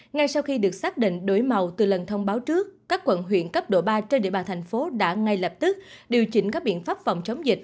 ngay sau khi được xác định đổi màu từ lần thông báo trước các quận huyện cấp độ ba trên địa bàn thành phố đã ngay lập tức điều chỉnh các biện pháp phòng chống dịch